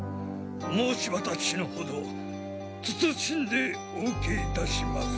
お申し渡しのほど謹んでお受けいたします。